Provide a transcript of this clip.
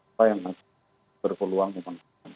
siapa yang masih berpeluang memenangkan